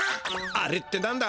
あれってなんだ？